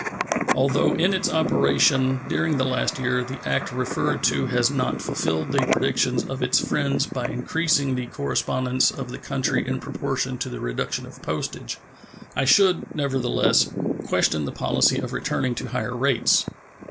Although in its operation during the last year the act referred to has not fulfilled the predictions of its friends by increasing the correspondence of the country in proportion to the reduction of postage, I should, nevertheless, question the policy of returning to higher rates.